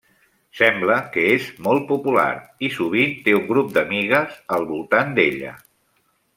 Sembla que és molt popular, i sovint té un grup d'amigues al voltant d'ella.